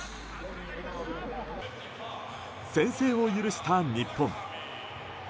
先制を許した日本。